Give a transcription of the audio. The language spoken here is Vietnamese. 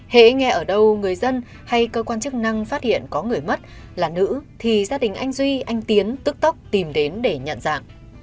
hãy nghe ở đâu người dân hay cơ quan chức năng phát hiện có người mất là nữ thì gia đình anh duy anh tiến tức tốc tìm đến để nhận dạng